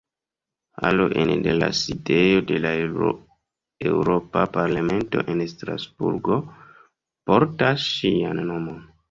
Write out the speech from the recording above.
Halo ene de la Sidejo de la Eŭropa Parlamento en Strasburgo portas ŝian nomon.